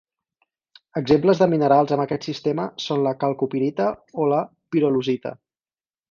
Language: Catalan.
Exemples de minerals amb aquest sistema són la calcopirita o la pirolusita.